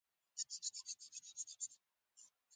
زمونږ مرغه د کتاب پاڼې چورلټوي.